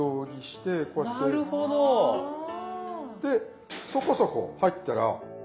なるほど！でそこそこ入ったら。